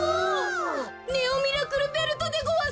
ネオ・ミラクルベルトでごわす！